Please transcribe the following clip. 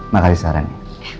makasih saran ya